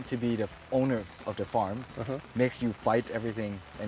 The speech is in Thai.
คุณต้องเป็นผู้งาน